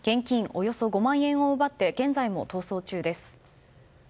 およそ５万円を奪って現在も逃走中です。